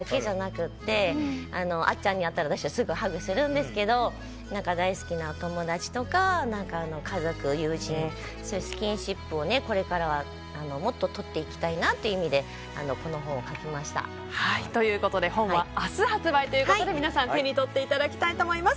親子だけじゃなくってあっちゃんに会ったら私はすぐハグするんですけど大好きな友達とか家族、友人にスキンシップをこれからはもっととっていきたいなという意味で本は明日発売ということで皆さん手に取っていただきたいと思います。